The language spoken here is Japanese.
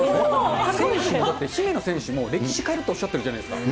選手にとって、姫野選手も歴史変えるとおっしゃってるじゃないですか。